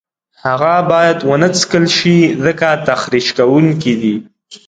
هغه باید ونه څکل شي ځکه تخریش کوونکي دي.